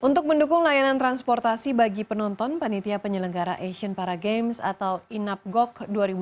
untuk mendukung layanan transportasi bagi penonton panitia penyelenggara asian para games atau inapgok dua ribu delapan belas